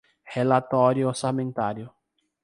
Relatório orçamentário